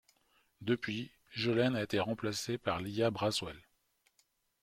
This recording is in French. Depuis, Jolene a été remplacée par Lia Braswell.